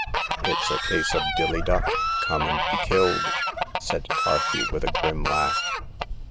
It's a case of Dilly duck, come and be killed," said Carthew, w4th a grim laugh.